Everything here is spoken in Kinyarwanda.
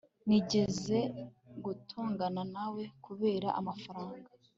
nigeze gutongana nawe kubera amafaranga